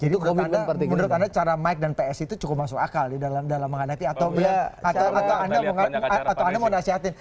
jadi menurut anda cara mike dan ps itu cukup masuk akal dalam menghanati atau anda mau nasihatin